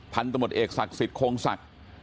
พันธมตเอกศักดิ์สิทธิโครงศักดิ์